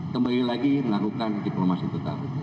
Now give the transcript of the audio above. kembali lagi melakukan diplomasi tetap